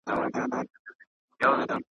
له ښکاري مي وېره نسته زه له دامه ګیله من یم .